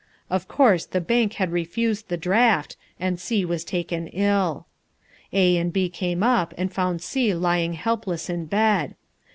Of course the bank had refused the draught and C was taken ill. A and B came home and found C lying helpless in bed.